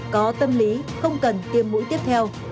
có tâm lý không cần tiêm mũi tiếp theo